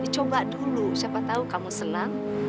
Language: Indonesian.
coba dulu siapa tahu kamu senang